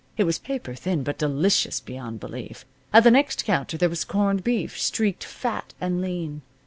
It was paper thin, but delicious beyond belief. At the next counter there was corned beef, streaked fat and lean.